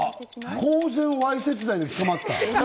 公然わいせつ罪で捕まった？